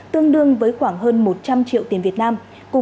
tương đương với khoảng hơn một trăm linh triệu tiền việt nam